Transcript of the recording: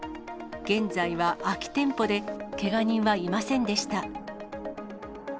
現在は空き店舗で、けが人はいませんでした。